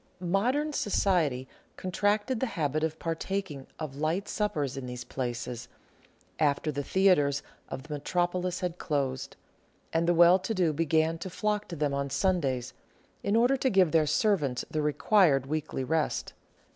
Modern society contracted the habit of partaking of light suppers in these places, after the theatres of the Metropolis had closed; and the well to do began to flock to them on Sundays, in order to give their servants the required weekly rest.